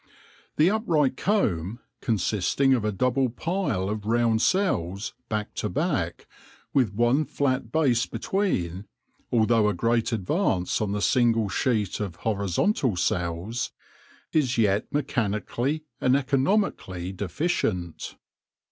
The upright comb, consisting of a double pile of round cells, back to back, with one flat base between, although a great advance on the single sheet of horizontal cells, is yet mechanically and economically deficient.